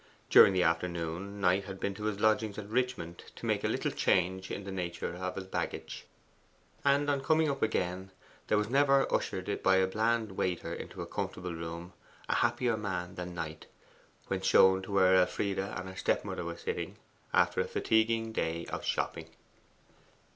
During the afternoon Knight had been to his lodgings at Richmond to make a little change in the nature of his baggage; and on coming up again there was never ushered by a bland waiter into a comfortable room a happier man than Knight when shown to where Elfride and her step mother were sitting after a fatiguing day of shopping.